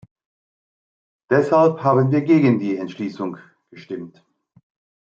Deshalb haben wir gegen die Entschließung gestimmt.